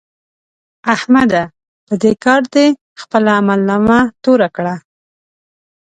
احمده! په دې کار دې خپله عملنامه توره کړه.